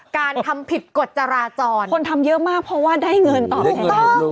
การทำผิดกฎจราจรคนทำเยอะมากเพราะว่าได้เงินต่อไป